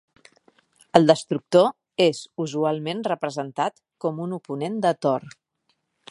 El destructor és usualment representat com un oponent de Thor.